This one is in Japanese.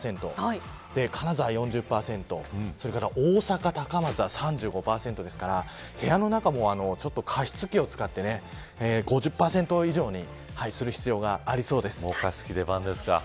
金沢４０％それから大阪、高松は３５％ですから部屋の中も、加湿器を使って５０％以上にもう加湿器の出番ですか。